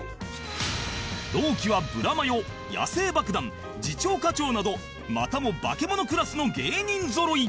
同期はブラマヨ野性爆弾次長課長などまたも化け物クラスの芸人ぞろい